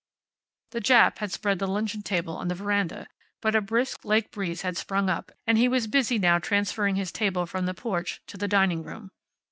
The Jap had spread the luncheon table on the veranda, but a brisk lake breeze had sprung up, and he was busy now transferring his table from the porch to the dining room.